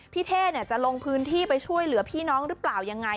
เท่จะลงพื้นที่ไปช่วยเหลือพี่น้องหรือเปล่ายังไง